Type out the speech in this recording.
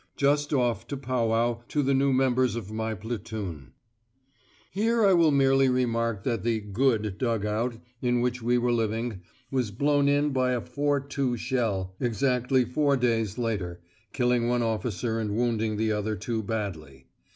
DRY. Just off to pow wow to the new members of my platoon." Here I will merely remark that the "good" dug out in which we were living was blown in by a 4·2 shell exactly four days later, killing one officer and wounding the other two badly.